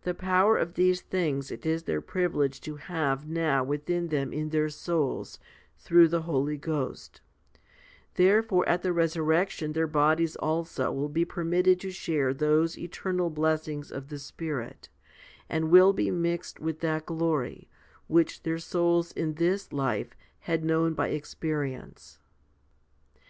The power of these things it is their privilege to have now within them in their souls, through the Holy Ghost; therefore at the resurrection their bodies also will be permitted to share those eternal blessings of the Spirit, and will be mixed with that glory, which their souls in this life had known by experience.